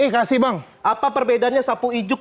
kasih bang apa perbedaannya sapu ijuk